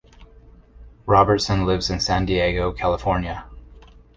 Robertson lives in San Diego, California.